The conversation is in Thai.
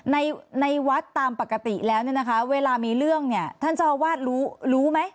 ในในวัดตามปกติแล้วเนี่ยนะคะเวลามีเรื่องเนี่ยท่านเจ้าอาวาสรู้รู้ไหม